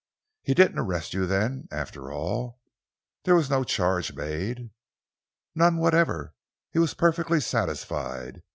"He didn't arrest you, then, after all? There was no charge made?" "None whatever. He was perfectly satisfied.